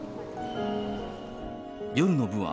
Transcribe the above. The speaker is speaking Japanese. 夜の部は、